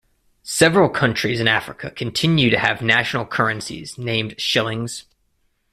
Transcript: Several countries in Africa continue to have national currencies named shillings.